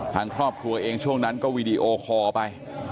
ทางครอบครัวเองช่วงนั้นก็วีดีโอคอร์ไป